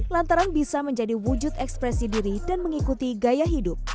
lantaran bisa menjadi wujud ekspresi diri dan mengikuti gaya hidup